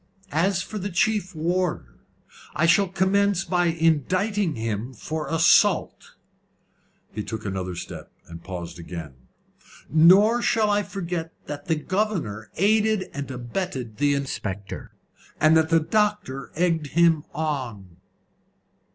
"As for the chief warder, I shall commence by indicting him for assault." He took another step, and paused again. "Nor shall I forget that the governor aided and abetted the inspector, and that the doctor egged him on."